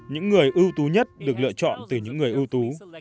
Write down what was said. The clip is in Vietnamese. những người ưu tú nhất được lựa chọn từ những người ưu tú